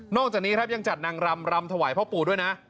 จากนี้ครับยังจัดนางรำรำถวายพ่อปู่ด้วยนะ